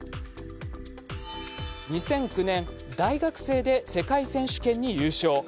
２００９年、大学生で世界選手権に優勝。